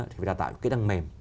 thì đào tạo kỹ năng mềm